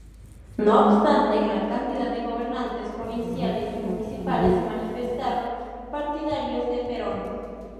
No obstante, gran cantidad de gobernantes provinciales y municipales se manifestaron partidarios de Perón.